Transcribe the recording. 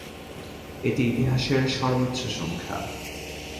এটা ইতিহাসের সর্বোচ্চ সংখ্যা।